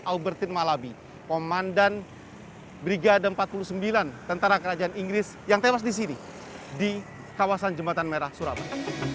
albertin malabi komandan brigade empat puluh sembilan tentara kerajaan inggris yang tewas di sini di kawasan jembatan merah surabaya